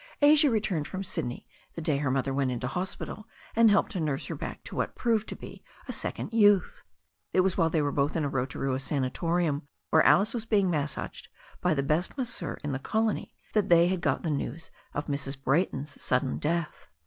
Asia returned from Sydney the day her mother went into hospital, and helped to nurse her back to what proved to be a second youth. It was while they were both in a Rotorua sanatorium, where Alice was being massaged by the best masseur in the colony, that they got the news of Mrs. Brajrton's sudden death.